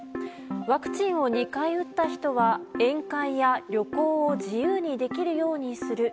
ワクチンを２回打った人は、宴会や旅行を自由にできるようにする。